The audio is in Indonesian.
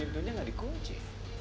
di atas sini